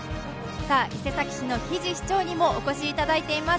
伊勢崎市の臂市長にもお越しいただいています。